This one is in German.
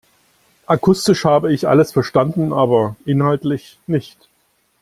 Akustisch habe ich alles verstanden, aber inhaltlich nicht.